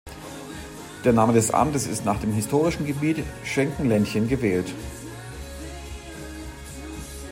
Der Name des Amtes ist nach dem historischen Gebiet Schenkenländchen gewählt.